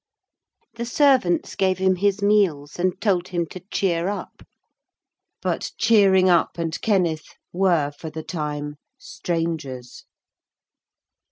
The servants gave him his meals and told him to cheer up. But cheering up and Kenneth were, for the time, strangers.